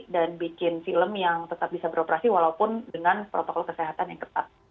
dan bikin film yang tetap bisa beroperasi walaupun dengan protokol kesehatan yang ketat